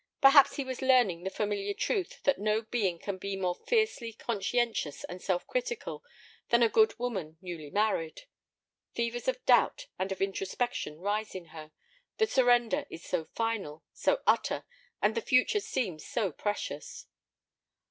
Perhaps he was learning the familiar truth that no being can be more fiercely conscientious and self critical than a good woman newly married. Fevers of doubt and of introspection rise in her. The surrender is so final, so utter, and the future seems so precious.